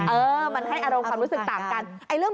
เออมันให้อารมณ์ความรู้สึกต่างกัน